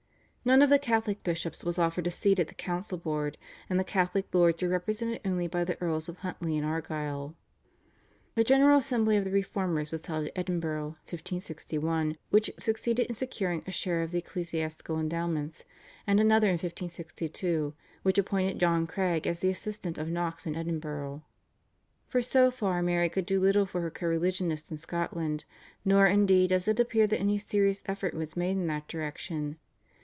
None of the Catholic bishops was offered a seat at the council board, and the Catholic lords were represented only by the Earls of Huntly and Argyll. A general assembly of the Reformers was held at Edinburgh (1561), which succeeded in securing a share of the ecclesiastical endowments, and another in 1562, which appointed John Craig as the assistant of Knox in Edinburgh. For so far Mary could do little for her co religionists in Scotland, nor indeed does it appear that any serious effort was made in that direction.